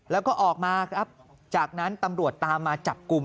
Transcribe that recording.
แล้วก็ออกมาครับจากนั้นตำรวจตามมาจับกลุ่ม